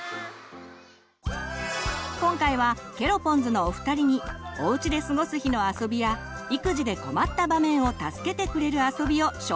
今回はケロポンズのお二人におうちで過ごす日のあそびや育児で困った場面を助けてくれるあそびを紹介してもらいます！